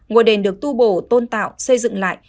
ngôi đền được tu bổ tôn tạo xây dựng lại